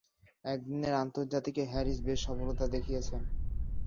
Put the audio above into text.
একদিনের আন্তর্জাতিকে হ্যারিস বেশ সফলতা দেখিয়েছেন।